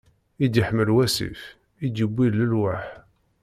I d-iḥmel wasif, i d-yewwi d lelwaḥ.